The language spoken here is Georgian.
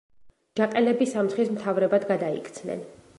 ჯაყელები სამცხის მთავრებად გადაიქცნენ.